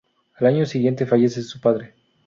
Al año siguiente fallece su padre.